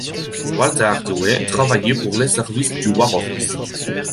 Walthère Dewé travaillait pour les services du War Office.